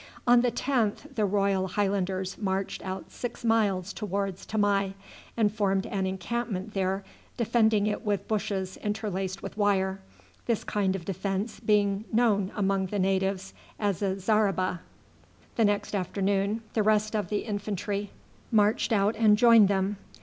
On the 10th the Royal Highlanders marched out six miles towards Tamai and formed an encampment there, defending it with bushes interlaced with wire, this kind of defence being known among the natives as a zareba. The next afternoon the rest of the infantry marched out and joined them.